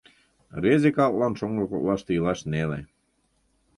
Рвезе калыклан шоҥго коклаште илаш неле...